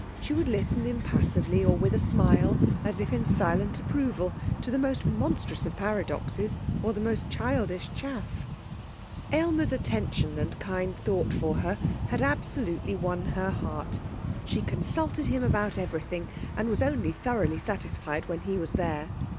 She would listen impassively, or with a smile, as if in silent approval, to the most monstrous of paradoxes or the most childish chaff. Aylmer's attention and kind thought for her had absolutely won her heart. She consulted him about everything, and was only thoroughly satisfied when he was there.